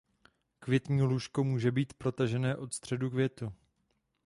Květní lůžko může být protažené od středu květu.